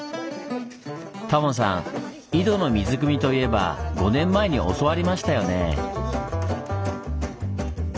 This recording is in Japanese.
タモさん井戸の水くみといえば５年前に教わりましたよねぇ。